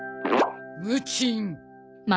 ムチン。